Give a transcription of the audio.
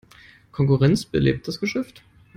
Konkurrenz belebt das Geschäft.